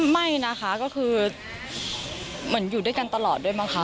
ไม่นะคะก็คือเหมือนอยู่ด้วยกันตลอดด้วยมั้งคะ